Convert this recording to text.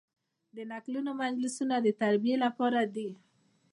د نکلونو مجلسونه د تربیې لپاره دي.